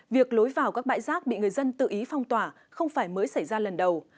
việc lối vào các bãi rác bị người dân tự ý phong tỏa không phải mới xảy ra lần đầu